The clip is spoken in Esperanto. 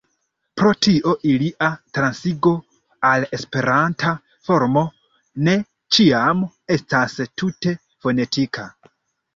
Pro tio ilia transigo al Esperanta formo ne ĉiam estas tute fonetika.